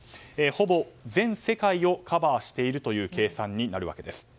ほぼ全世界をカバーしているという計算になるわけです。